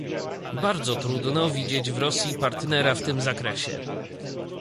Bardzo trudno widzieć w Rosji partnera w tym zakresie